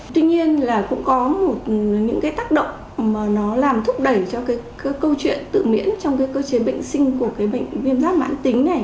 tuy nhiên là cũng có những tác động mà nó làm thúc đẩy cho câu chuyện tự miễn trong cơ chế bệnh sinh của viêm giáp mạng tính này